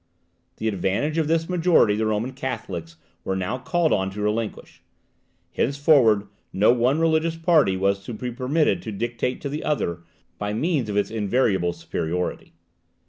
The advantage of this majority the Roman Catholics were now called on to relinquish; henceforward no one religious party was to be permitted to dictate to the other by means of its invariable superiority.